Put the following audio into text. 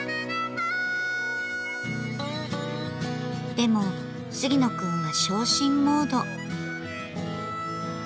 でも杉野くんは傷心モード。